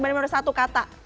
bener bener satu kata